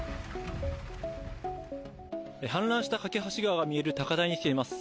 氾濫した梯川が見える高台に来ています。